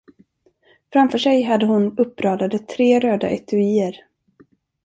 Framför sig hade hon uppradade tre röda etuier.